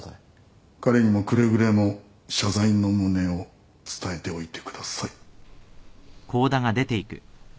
彼にもくれぐれも謝罪の旨を伝えておいてください。